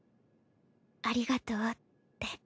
ありがとうって。